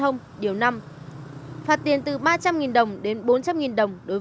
we flow năm năm thông tin